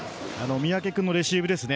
三宅君のレシーブですね。